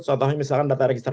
contohnya misalkan data registrasi